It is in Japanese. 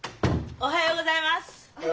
おはようございます。